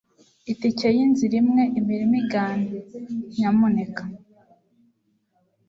Itike yinzira imwe i Birmingham, nyamuneka.